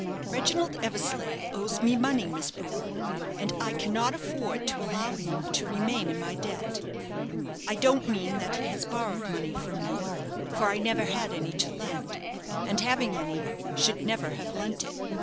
"Reginald Eversleigh owes me money, Miss Brewer, and I cannot afford to allow him to remain in my debt. I don't mean that he has borrowed money from me, for I never had any to lend, and, having any, should never have lent it."